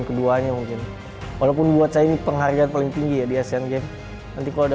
keduanya mungkin walaupun buat saya ini penghargaan paling tinggi ya di asean games nanti kalau ada